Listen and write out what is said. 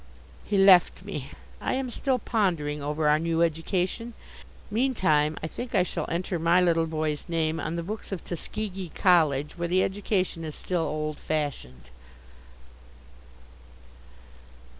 He left me. I am still pondering over our new education. Meantime I think I shall enter my little boy's name on the books of Tuskegee College where the education is still old fashioned.